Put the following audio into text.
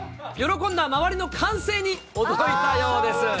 喜んだ周りの歓声に驚いたようです。